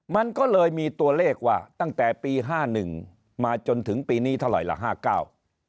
มันก็เลยมีตัวเลขว่าตั้งแต่ปี๕๑มาจนถึงปีนี้เท่าไหร่ละ๕๙